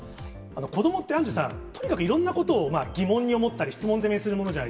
子どもってアンジュさん、とにかくいろんなことを疑問に思ったり、されますね。